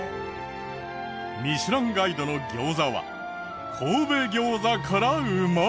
『ミシュランガイド』の餃子は神戸餃子から生まれた！